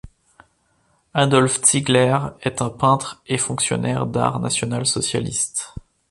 Adolf Ziegler est un peintre et fonctionnaire d'art national-socialiste.